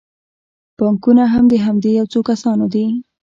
بانکونه هم د همدې یو څو کسانو دي